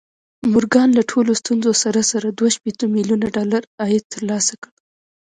مورګان له ټولو ستونزو سره سره دوه شپېته ميليونه ډالر عايد ترلاسه کړ.